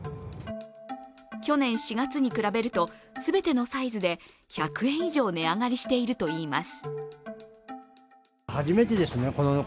去年４月に比べると、全てのサイズで１００円以上値上がりしているといいます。